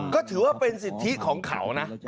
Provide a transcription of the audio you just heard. ก็ถือว่าเป็นสิทธิของเขานะ